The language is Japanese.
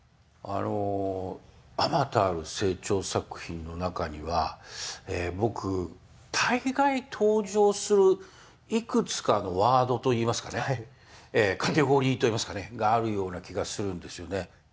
あまたある清張作品の中には僕大概登場するいくつかのワードといいますかねカテゴリーといいますかねがあるような気がするんですよね。